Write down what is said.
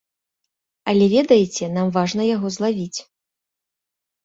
Але ведаеце, нам важна яго злавіць.